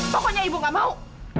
pokoknya ibu nggak mau